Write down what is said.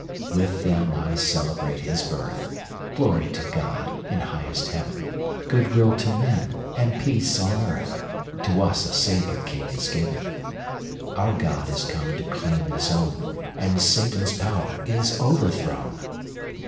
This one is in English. With them I celebrate His birth Glory to God, in highest Heaven, Good will to men, and peace on earth, To us a Saviour king is given; Our God is come to claim His own, And Satan's power is overthrown!